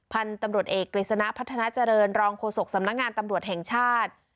พันธุ์ตำรวจเอกกฤษณะพัฒนาเจริญรองโฆษกสำนักงานตำรวจแห่งชาติ